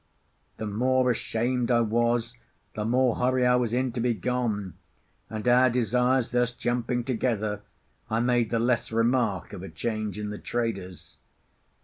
The more ashamed I was, the more hurry I was in to be gone; and our desires thus jumping together, I made the less remark of a change in the traders.